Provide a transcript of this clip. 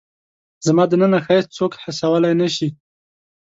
زما دننه ښایست څوک حسولای نه شي